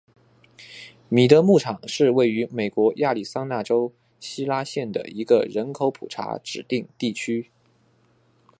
米德牧场是位于美国亚利桑那州希拉县的一个人口普查指定地区。